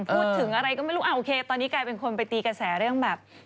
พูดถึงอะไรก็ไม่รู้โอเคตอนนี้กลายเป็นคนไปตีกระแสเรื่องแบบ